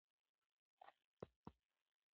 د جګړې او سولې رومان یو الهام بښونکی اثر دی.